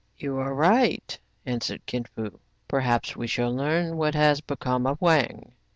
You arc right,'* answered Kin Fo. "Perhaps we shall learn what has become of Wang.'